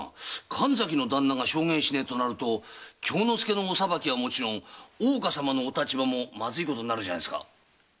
神崎の旦那が証言しねえとなると京之介のお裁きは勿論大岡様のお立場もまずくなるんじゃあ？